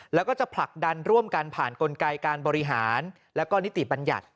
แล้วก็จะผลักดันร่วมกันผ่านกลไกการบริหารแล้วก็นิติบัญญัติ